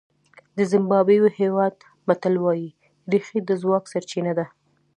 د زیمبابوې هېواد متل وایي رېښې د ځواک سرچینه ده.